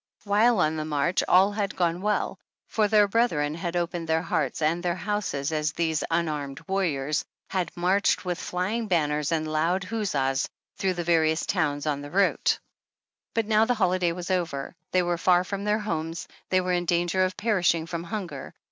While on the march all had gone well, for their brethren had opened their hearts and their houses as these " unarmed warriors had jnarched with flying banners and loud huzzas through the various towns on the route. But now the holiday was over, they were far from their homes, they were in danger of perishing from hunger.